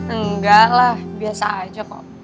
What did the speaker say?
enggak lah biasa aja kok